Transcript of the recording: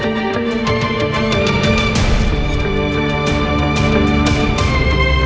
eeh jadi tak ada sekarang